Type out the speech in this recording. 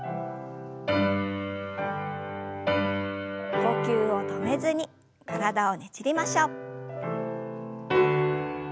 呼吸を止めずに体をねじりましょう。